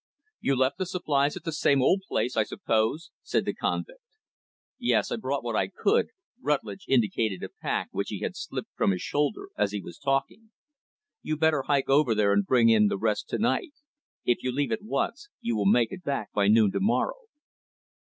"You left the supplies at the same old place, I suppose?" said the convict. "Yes, I brought what I could," Rutlidge indicated a pack which he had slipped from his shoulder as he was talking. "You better hike over there and bring in the rest to night. If you leave at once, you will make it back by noon, to morrow."